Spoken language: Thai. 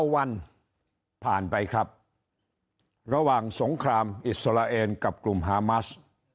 วันผ่านไปครับระหว่างสงครามอิสราเอลกับกลุ่มฮามัส